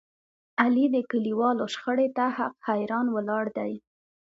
علي د کلیوالو شخړې ته حق حیران ولاړ دی.